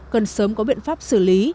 cần sớm có biện pháp xử lý